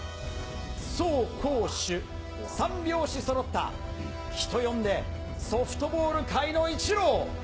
走攻守三拍子そろった、人呼んで、ソフトボール界のイチロー。